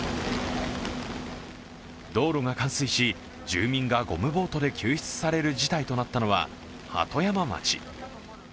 道路が冠水し、住民がゴムボートで救出される事態となったのは鳩山町。